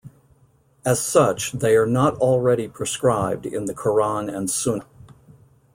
As such, they are not already prescribed in the Koran and Sunna.